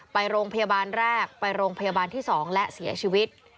ไปโรงพยาบาลแรกไปโรงพยาบาลที่๒และเสียชีวิต